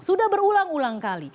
sudah berulang ulang kali